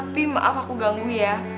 tapi maaf aku ganggu ya